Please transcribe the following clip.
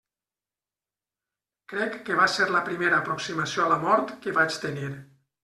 Crec que va ser la primera aproximació a la mort que vaig tenir.